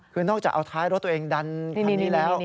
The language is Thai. คือนอกจากเอาท้ายรถตัวเองดันคันนี้แล้ว